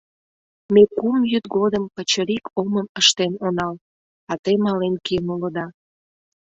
— Ме кум йӱд годым пычырик омым ыштен онал, а те мален киен улыда!..